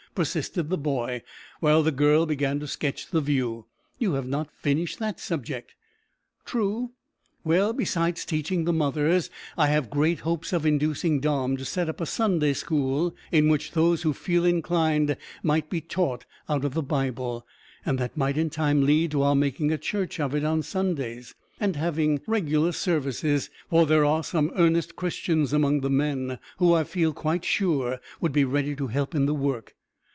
persisted the boy, while the girl began to sketch the view. "You have not finished that subject." "True well, besides teaching the mothers I have great hopes of inducing Dom to set up a Sunday school, in which those who feel inclined might be taught out of the Bible, and that might in time lead to our making a church of it on Sundays, and having regular services, for there are some earnest Christians among the men, who I feel quite sure would be ready to help in the work.